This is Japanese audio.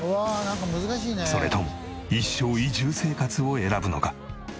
それとも一生移住生活を選ぶのか？